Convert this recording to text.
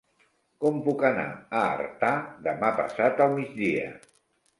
Com puc anar a Artà demà passat al migdia?